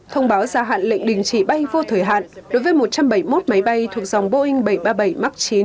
thông báo gia hạn lệnh đình chỉ bay vô thời hạn đối với một trăm bảy mươi một máy bay thuộc dòng boeing bảy trăm ba mươi bảy max chín